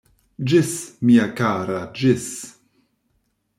Ĝis, mia kara, ĝis!